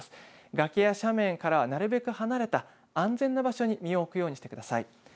崖や斜面からなるべく離れた安全な場所に身を置くようにしてください。